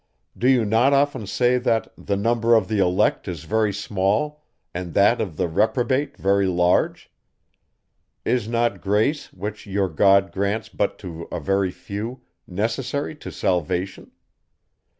Do you not often say, that the number of the elect is very small, and that of the reprobate very large? Is not Grace, which your God grants but to a very few, necessary to salvation?